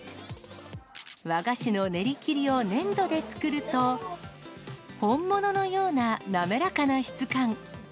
和菓子の練り切りを粘土で作ると、本物のような滑らかな質感。